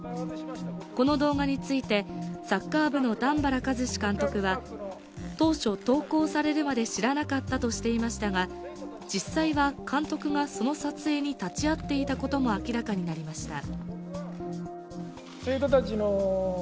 この動画について、サッカー部の段原一詞監督は当初、投稿されるまで知らなかったとしていましたが実際は監督がその撮影に立ち会っていたことも明らかになりました。